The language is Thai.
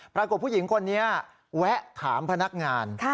ผู้หญิงคนนี้แวะถามพนักงาน